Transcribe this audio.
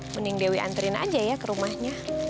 mending dewi antrian aja ya ke rumahnya